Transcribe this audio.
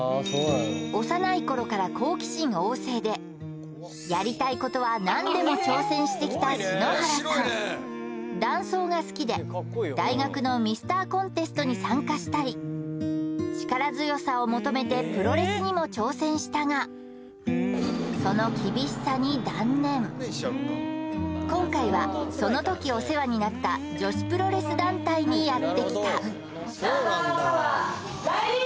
幼い頃から好奇心旺盛でやりたいことは何でも挑戦してきた篠原さん男装が好きで大学のミスターコンテストに参加したり力強さを求めてプロレスにも挑戦したがその厳しさに断念今回はそのときお世話になった女子プロレス団体にやってきたあっ！